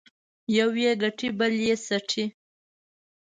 يو يې گټي ، سل يې څټي.